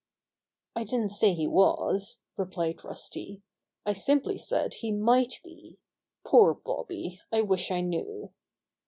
"I didn't say he was," replied Rusty. "I simply said he might be. Poor Bobby, I wish I knew."